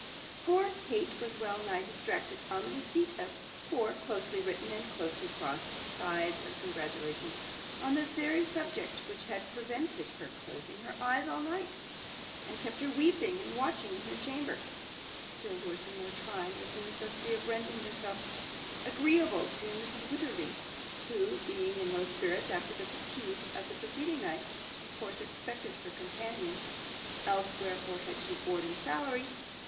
Poor Kate was well nigh distracted on the receipt of four closely written and closely crossed sides of congratulation on the very subject which had prevented her closing her eyes all night, and kept her weeping and watching in her chamber; still worse and more trying was the necessity of rendering herself agreeable to Mrs. Wititterly, who, being in low spirits after the fatigue of the preceding night, of course expected her companion (else wherefore had she board and salary?)